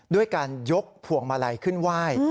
ด้วยการยกพวงมาลัยขึ้นไหว้